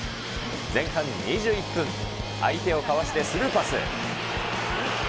前半２１分、相手をかわしてスルーパス。